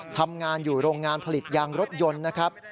ทำงานอยู่โรงงานผลิตยางรถยนต์นะครับ